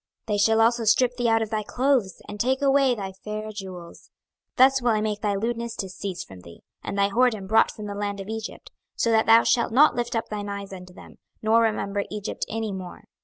26:023:026 They shall also strip thee out of thy clothes, and take away thy fair jewels. 26:023:027 Thus will I make thy lewdness to cease from thee, and thy whoredom brought from the land of Egypt: so that thou shalt not lift up thine eyes unto them, nor remember Egypt any more.